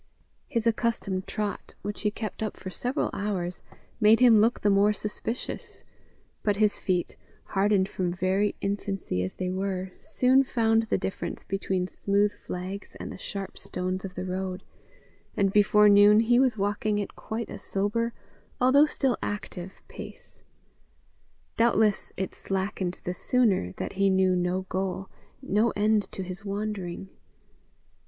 His accustomed trot, which he kept up for several hours, made him look the more suspicious; but his feet, hardened from very infancy as they were, soon found the difference between the smooth flags and the sharp stones of the road, and before noon he was walking at quite a sober, although still active, pace. Doubtless it slackened the sooner that he knew no goal, no end to his wandering.